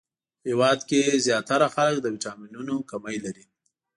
په هیواد کښی ځیاتره خلک د ويټامنونو کمې لری